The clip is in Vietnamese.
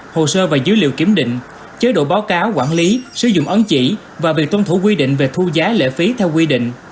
hồ sơ và dữ liệu kiểm định chế độ báo cáo quản lý sử dụng ấn chỉ và việc tuân thủ quy định về thu giá lễ phí theo quy định